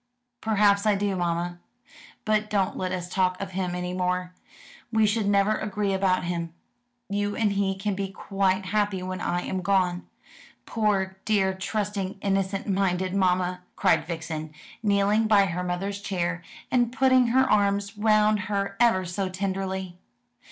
"Perhaps I do, mamma; but don't let us talk of him any more. We should never agree about him. You and he can be quite happy when I am gone. Poor, dear, trusting, innocent minded mamma!" cried Vixen, kneeling by her mother's chair, and putting her arms round her ever so tenderly.